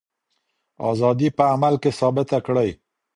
ازادي په عمل کي ثابته کړئ.